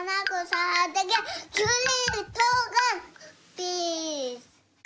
ピース！